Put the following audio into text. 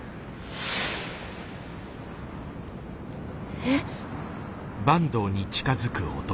えっ？